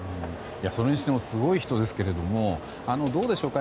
それにしてもすごい人ですけれどもどうでしょうか